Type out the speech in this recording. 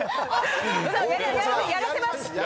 やらせますよね。